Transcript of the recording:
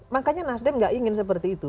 makanya nasdem nggak ingin seperti itu